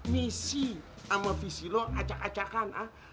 misi sama visi lo acak acakan ha